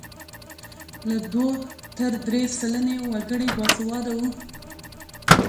له دوه تر درې سلنې وګړي باسواده وو.